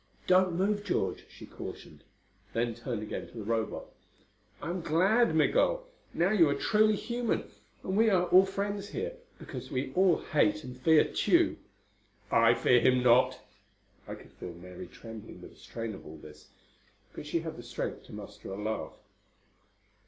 "Don't move, George!" she cautioned; then turned again to the Robot. "I am glad, Migul. Now you are truly human. And we are all friends here, because we all hate and fear Tugh " "I fear him not!" I could feel Mary trembling with the strain of all this. But she had the strength to muster a laugh.